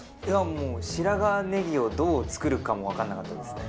もう白髪ネギをどう作るかもわかんなかったですね。